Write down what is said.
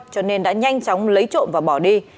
cho nên đã nhanh chóng lấy trộm và bỏ đi